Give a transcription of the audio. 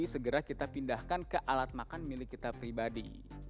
segera kita pindahkan ke alat makan milik kita pribadi